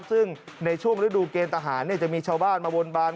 ซึ่งในช่วงฤดูเกณฑ์ทหารจะมีชาวบ้านมาวนบาน